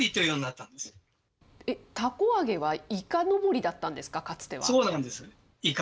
たこ揚げは、いかのぼりだったんですか？